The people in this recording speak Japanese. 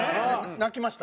泣きました。